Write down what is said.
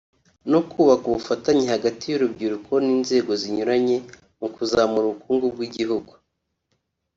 no kubaka ubufatanye hagati y’urubyiruko n’inzego zinyuranye mu kuzamura ubukungu bw’igihugu